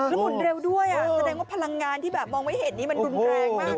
แล้วหมุนเร็วด้วยอ่ะแสดงว่าพลังงานที่แบบมองไว้เห็นนี่มันดุนแรงมากเลยนะ